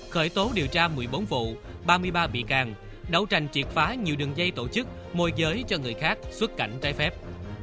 khởi tố điều tra một mươi bốn vụ ba mươi ba bị càng đấu tranh triệt phá nhiều đường dây tổ chức môi giới cho người khác xuất cảnh trái phép